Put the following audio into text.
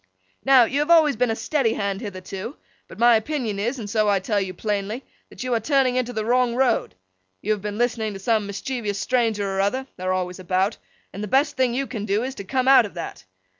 'Now, you have always been a steady Hand hitherto; but my opinion is, and so I tell you plainly, that you are turning into the wrong road. You have been listening to some mischievous stranger or other—they're always about—and the best thing you can do is, to come out of that.